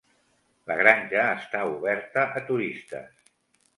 La granja està oberta a turistes.